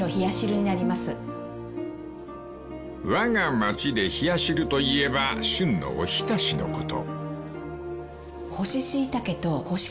［わが町で冷や汁といえば旬のおひたしのこと］